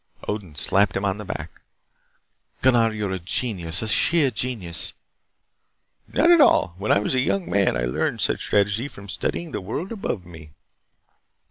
Odin slapped him on the back. "Gunnar, you are a genius, a sheer genius." "Not at all. When I was a young man I learned such strategy from studying the world above me."